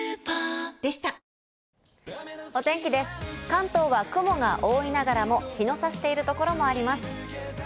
関東は雲が多いながらも、陽がさしているところがあります。